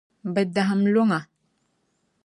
Bɛ dahim luŋa.